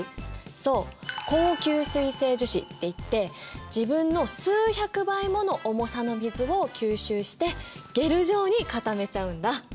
そう高吸水性樹脂っていって自分の数百倍もの重さの水を吸収してゲル状に固めちゃうんだ。